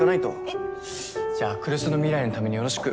えっ？じゃあ来栖の未来のためによろしく。